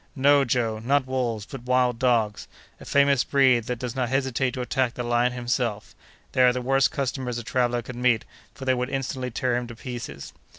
"No! Joe, not wolves, but wild dogs; a famous breed that does not hesitate to attack the lion himself. They are the worst customers a traveller could meet, for they would instantly tear him to pieces."